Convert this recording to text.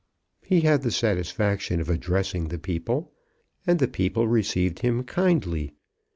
He had the satisfaction of addressing the people, and the people received him kindly.